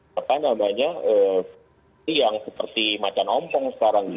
seperti yang seperti macan ompong sekarang